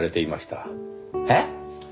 えっ！？